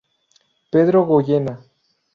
Pedro Goyena.